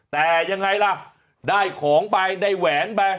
แต่ยังไงล่ะได้ของไปได้แหวนไป